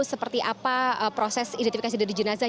seperti apa proses identifikasi dari jenazah